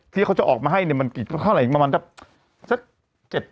ที่เขาจะออกมาให้เนี่ยมันเกี่ยวข้ามันเป็นแบบ